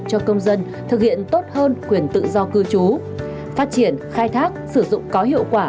cho công dân thực hiện tốt hơn quyền tự do cư trú phát triển khai thác sử dụng có hiệu quả